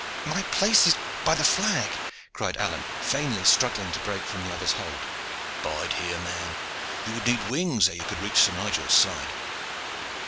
"My place is by the flag," cried Alleyne, vainly struggling to break from the other's hold. "Bide here, man. You would need wings ere you could reach Sir Nigel's side."